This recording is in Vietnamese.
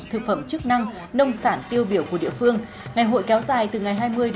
thực phẩm chức năng nông sản tiêu biểu của địa phương